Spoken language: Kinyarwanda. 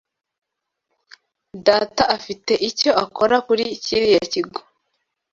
Data afite icyo akora kuri kiriya kigo.